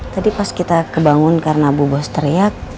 tadi pas kita kebangun karena bubos teriak